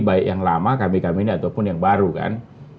baik yang lama kami kami ini ataupun yang baru kan